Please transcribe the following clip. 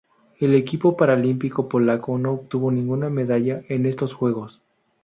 El equipo paralímpico polaco no obtuvo ninguna medalla en estos Juegos.